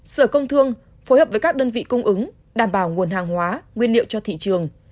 sở công thương phối hợp với các đơn vị cung ứng đảm bảo nguồn hàng hóa nguyên liệu cho thị trường